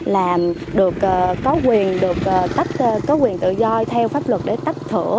là có quyền tự do theo pháp luật để tách thủa